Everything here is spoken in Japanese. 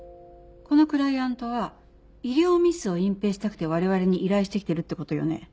このクライアントは医療ミスを隠蔽したくて我々に依頼してきてるってことよね？